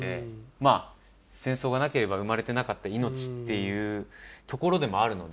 まあ戦争がなければ生まれてなかった命っていうところでもあるので。